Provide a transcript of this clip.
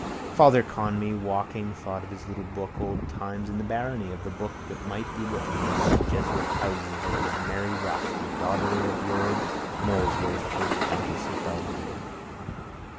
Father Conmee, walking, thought of his little book Old Times in the Barony and of the book that might be written about jesuit houses and of Mary Rochfort, daughter of lord Molesworth, first countess of Belvedere.